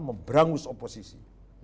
dan memberangus oposisi